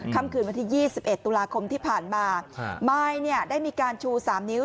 คำคืนวันที่๒๑ตุลาคมที่ผ่านมามายเนี่ยได้มีการชู๓นิ้ว